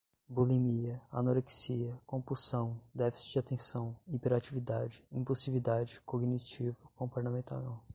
bulimia, anorexia, compulsão, déficit de atenção, hiperatividade, impulsividade, cognitivo, comportamental